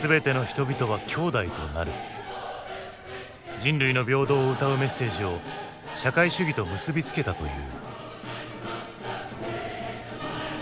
人類の平等をうたうメッセージを社会主義と結び付けたという。